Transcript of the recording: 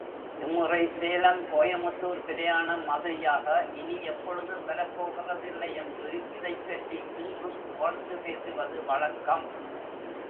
இம்முறை சேலம் கோயமுத்தூர் பிரயாணம் மாதிரியாக இனி எப்பொழுதும் வரப்போகிறதில்லை என்று இதைப்பற்றி இன்றும் புகழ்ந்து பேசுவது வழக்கம்.